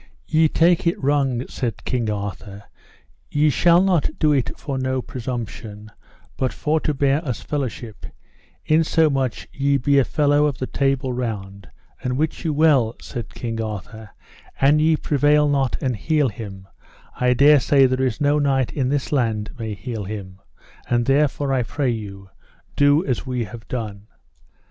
Ye take it wrong, said King Arthur, ye shall not do it for no presumption, but for to bear us fellowship, insomuch ye be a fellow of the Table Round; and wit you well, said King Arthur, an ye prevail not and heal him, I dare say there is no knight in this land may heal him, and therefore I pray you, do as we have done.